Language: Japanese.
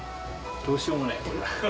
どうしようもない、これは。